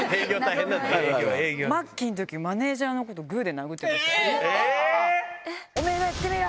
末期のとき、マネージャーのこと、ぐーで殴ってました。